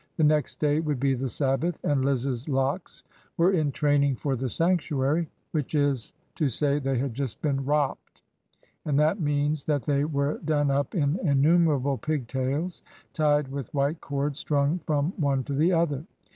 The next day would be the Sabbath, and Liz's locks were in training for the sanctuary, which is to say they had just been '' wropped,"— and that means that they were done up in innumerable pigtails tied with white cord strung from one to the other.